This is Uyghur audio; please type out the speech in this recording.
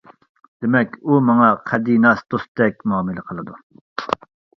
دېمەك ئۇ ماڭا قەدىناس دوستتەك مۇئامىلە قىلىدۇ.